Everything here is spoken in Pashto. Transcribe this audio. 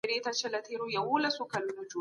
که اثر معلوم نه وي څېړنه ستونزمنه کیږي.